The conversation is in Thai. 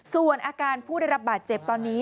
ส่วนอาการผู้ได้รับบาดเจ็บตอนนี้